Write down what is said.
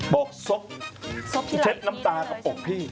บอกซบเช็ดน้ำตากับปอกพี่